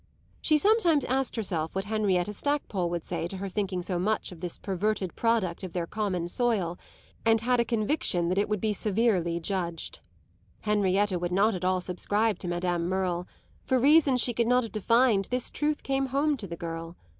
She sometimes asked herself what Henrietta Stackpole would say to her thinking so much of this perverted product of their common soil, and had a conviction that it would be severely judged. Henrietta would not at all subscribe to Madame Merle; for reasons she could not have defined this truth came home to the girl.